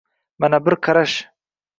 Mana, bir qarash